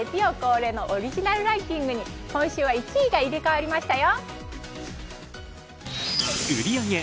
オリジナルランキング、今週は１位が入れ代わりましたよ。